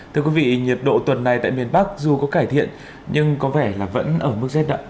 thưa quý vị nhiệt độ tuần này tại miền bắc dù có cải thiện nhưng có vẻ là vẫn ở mức rét đậm